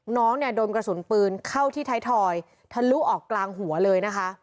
น้องเนี่ยโดนกระสุนปืนเข้าที่ไทยทอยทะลุออกกลางหัวเลยนะคะ